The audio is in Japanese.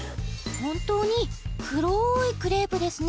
本当に黒いクレープですね